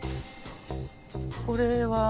これは？